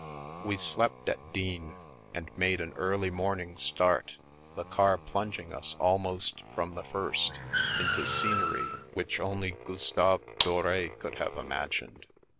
We slept at Digne, and made an early morning start, the car plunging us almost from the first into scenery which only Gustave Dore could have im agined.